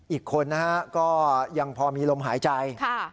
อีกคนนะฮะก็ยังพอมีลมหายใจ